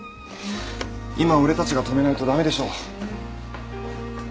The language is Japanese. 今俺たちが止めないと駄目でしょ。